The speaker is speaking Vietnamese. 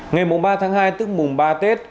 ngày ba tháng hai tức mùng ba tết